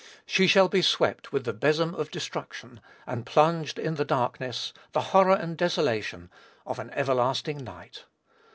She shall be swept with the besom of destruction, and plunged in the darkness, the horror and desolation, of an everlasting night.